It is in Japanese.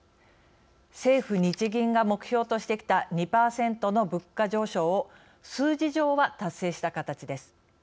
政府・日銀が目標としてきた２％の物価上昇を数字上は達成した形です。